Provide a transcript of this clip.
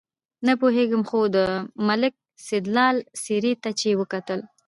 نه پوهېږم خو د ملک سیدلال څېرې ته چې وکتل.